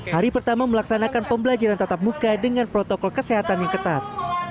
hari pertama melaksanakan pembelajaran tatap muka dengan protokol kesehatan yang ketat